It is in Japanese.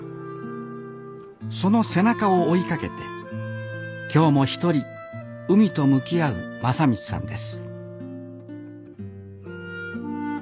その背中を追いかけて今日も一人海と向き合う正道さんです